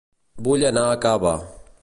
Vull anar a Cava